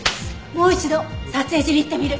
もう一度撮影所に行ってみる！